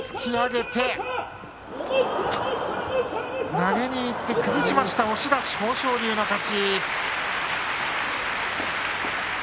投げにいって崩しました押し出し、豊真将の勝ち。